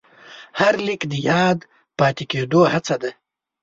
هر لیک د یاد پاتې کېدو هڅه ده.